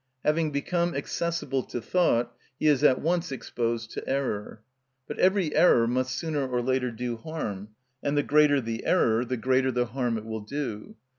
Having become accessible to thought, he is at once exposed to error. But every error must sooner or later do harm, and the greater the error the greater the harm it will do.